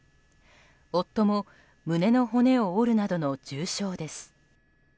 夫も、胸の骨を折るなどの重傷です。